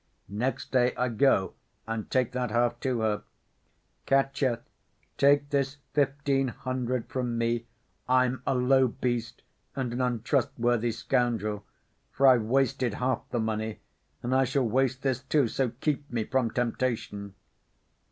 Next day I go and take that half to her: 'Katya, take this fifteen hundred from me, I'm a low beast, and an untrustworthy scoundrel, for I've wasted half the money, and I shall waste this, too, so keep me from temptation!